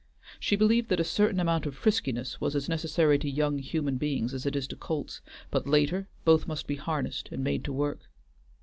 She believed that a certain amount of friskiness was as necessary to young human beings as it is to colts, but later both must be harnessed and made to work.